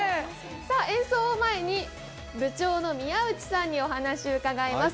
演奏を前に部長の宮内さんにお話を伺います。